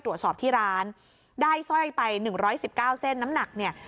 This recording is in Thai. ตรวจสอบที่ร้านได้สร้อยไปหนึ่งร้อยสิบเก้าเส้นน้ำหนักเนี่ย